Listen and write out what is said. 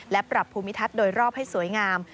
และปรับภูมิทัศน์โดยรอบให้สวยงาม